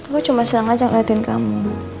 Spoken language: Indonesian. gue cuma senang aja ngeliatin kamu